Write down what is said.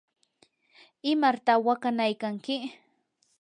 ¿imarta waqanaykanki?